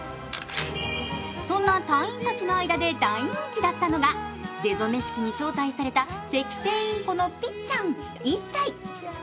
そんな隊員たちの間で大人気だったのが出初め式に招待されたセキセイインコのぴっちゃん１歳。